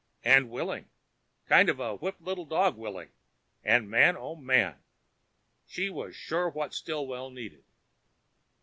And willing. Kind of a whipped little dog willing, and man oh man! She was sure what Stillwell needed.